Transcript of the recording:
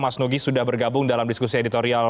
mas nugi sudah bergabung dalam diskusi editorial